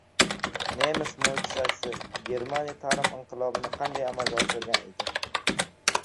«Nemis mo‘jizasi»: Germaniya ta’lim inqilobini qanday amalga oshirgan edi?